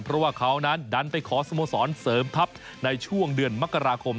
เพราะว่าเขานั้นดันไปขอสโมสรเสริมทัพในช่วงเดือนมกราคม